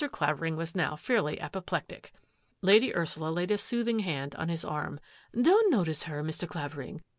Clavering was now fairly apopL Lady Ursula laid a soothing hand (" Don't notice her, Mr. Clavering.